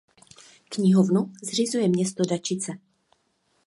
Knihovnu zřizuje Město Dačice.